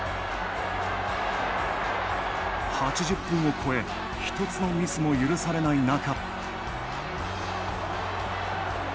８０分を超え１つのミスも許されない中。